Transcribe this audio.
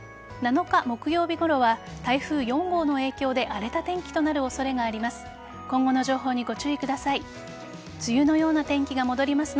７日木曜日ごろは台風４号の影響で荒れた天気となる恐れがあります。